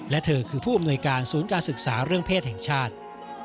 และเธอคือผู้อำนวยการศูนย์การศึกษาเรื่องเพศชาติ